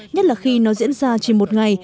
nhất là khi nó diễn ra chỉ một ngày